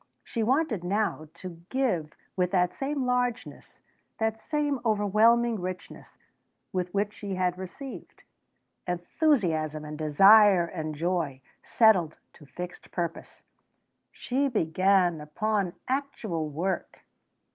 She wanted now to give with that same largeness, that same overwhelming richness, with which she had received. Enthusiasm and desire and joy settled to fixed purpose. She began upon actual work.